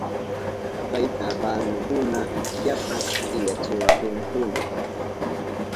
Kay tabanukuna yapa killachiwahunkuna.